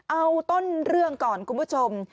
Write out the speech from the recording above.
เอาต้นเรื่องก่อนคุณผู้ชม